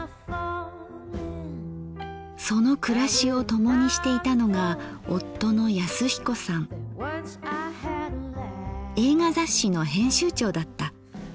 その暮らしを共にしていたのが映画雑誌の編集長だった。